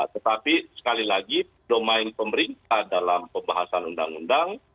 tetapi sekali lagi domain pemerintah dalam pembahasan undang undang